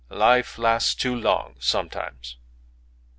Life lasts too long sometimes."